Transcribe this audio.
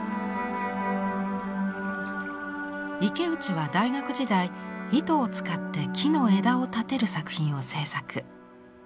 池内は大学時代糸を使って木の枝を立てる作品を制作。